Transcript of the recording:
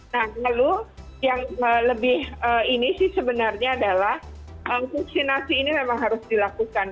nah lalu yang lebih ini sih sebenarnya adalah vaksinasi ini memang harus dilakukan